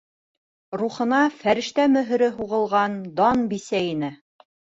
Рухына фәрештә мөһөрө һуғылған дан бисә ине.